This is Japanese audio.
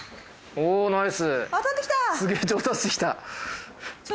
おぉナイス。